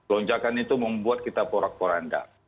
lonjakan itu membuat kita porak poranda